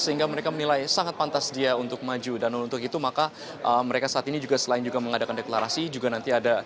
sehingga mereka menilai sangat pantas dia untuk maju dan untuk itu maka mereka saat ini juga selain juga mengadakan deklarasi juga nanti ada